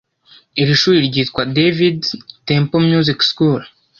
Iri shuri ryitwa “David’s Temple music school”